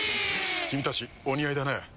君たちお似合いだね。